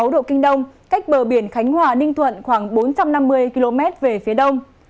một trăm một mươi ba sáu độ kinh đông cách bờ biển khánh hòa ninh thuận khoảng bốn trăm năm mươi km về phía đông